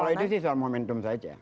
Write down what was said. kalau itu sih soal momentum saja